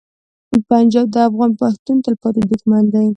پنجاب د افغان پښتون تلپاتې دښمن دی.